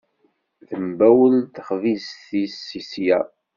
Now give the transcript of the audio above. Tembawel texbizt-is sya.